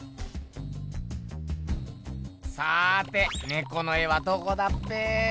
さて猫の絵はどこだっぺ。